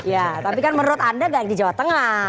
ya tapi kan menurut anda gak di jawa tengah